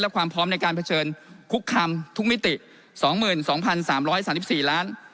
ความพร้อมในการเผชิญคุกคำทุกมิติ๒๒๓๓๔ล้าน